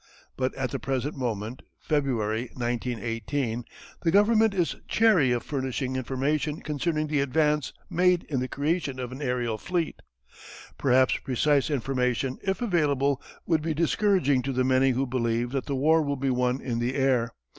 But at the present moment (February, 1918), the government is chary of furnishing information concerning the advance made in the creation of an aërial fleet. Perhaps precise information, if available, would be discouraging to the many who believe that the war will be won in the air.